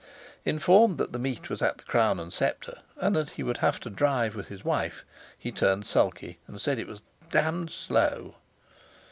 Informed that the meet was at the Crown and Sceptre, and that he would have to drive with his wife, he turned sulky, and said it was d— d slow!